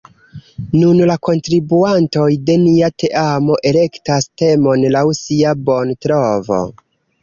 Nun la kontribuantoj de nia teamo elektas temon laŭ sia bontrovo.